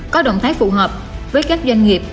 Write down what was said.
có động thái phù hợp với các doanh nghiệp